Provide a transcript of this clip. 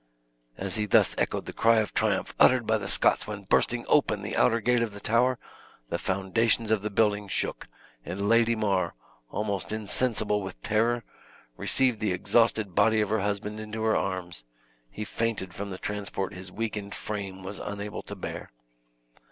As he thus echoed the cry of triumph uttered by the Scots when bursting open the outer gate of the tower, the foundations of the building shook, and Lady Mar, almost insensible with terror, received the exhausted body of her husband into her arms; he fainted from the transport his weakened frame was unable to hear.